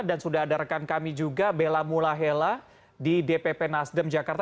dan sudah ada rekan kami juga bella mulahela di dpp nasdem jakarta